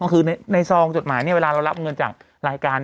คือในซองจดหมายเวลาเรารับเงินจากรายการ